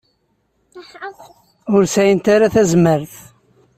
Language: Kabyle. Ur sɛint ara tazmert.